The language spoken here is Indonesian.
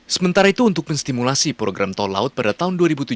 sementara itu untuk menstimulasi program tol laut pada tahun dua ribu tujuh belas